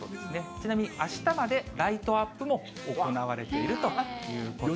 ちなみに、あしたまでライトアップも行われているということです。